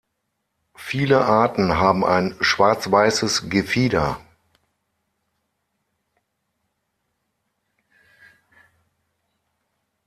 Viele Arten haben ein schwarz-weißes Gefieder.